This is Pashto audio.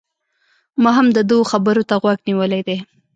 ما هم د ده و خبرو ته غوږ نيولی دی